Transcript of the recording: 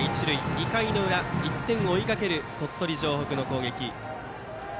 ２回の裏１点を追いかける鳥取城北の攻撃。